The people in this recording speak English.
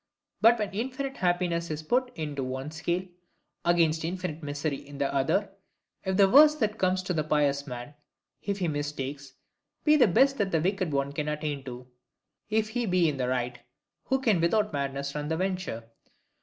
But when infinite happiness is put into one scale, against infinite misery in the other; if the worst that comes to the pious man, if he mistakes, be the best that the wicked can attain to, if he be in the right, who can without madness run the venture?